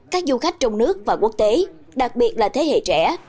các du khách trong nước và quốc tế đặc biệt là thế hệ trẻ